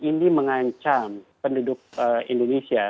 ini mengancam penduduk indonesia